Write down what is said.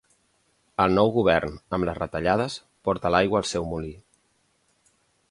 El nou govern, amb les retallades, porta l'aigua al seu molí.